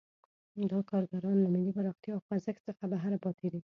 دا کارګران له ملي پراختیا او خوځښت څخه بهر پاتې دي.